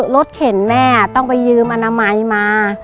เข็นแม่ต้องไปยืมอนามัยมา